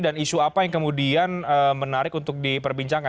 dan isu apa yang kemudian menarik untuk diperbincangkan